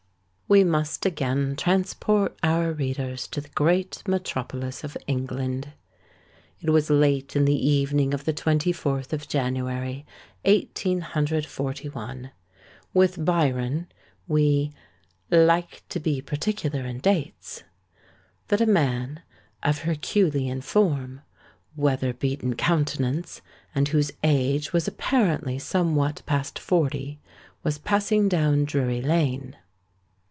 We must again transport our readers to the great metropolis of England. It was late in the evening of the 24th of January, 1841,—with Byron, we "like to be particular in dates,"—that a man, of herculean form, weather beaten countenance, and whose age was apparently somewhat past forty, was passing down Drury Lane.